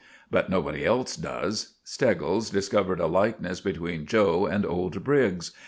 But nobody else does. Steggles discovered a likeness between 'Joe' and old Briggs.